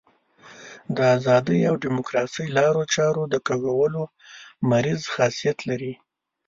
د ازادۍ او ډیموکراسۍ لارو چارو د کږولو مریض خاصیت لري.